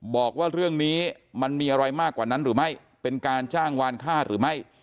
บอกว่าเรื่องนี้มันมีอะไรมากกว่านั้นหรือไม่เป็นการจ้างวานค่าหรือไม่